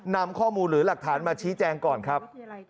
นำข้อมูลหรือหลักฐานมาชี้แจงก่อนครับ